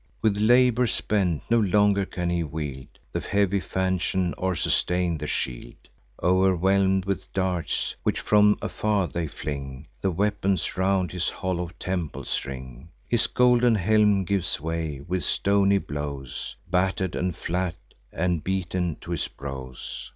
With labour spent, no longer can he wield The heavy falchion, or sustain the shield, O'erwhelm'd with darts, which from afar they fling: The weapons round his hollow temples ring; His golden helm gives way, with stony blows Batter'd, and flat, and beaten to his brows.